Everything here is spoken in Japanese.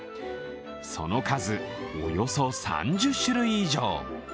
その数、およそ３０種類以上。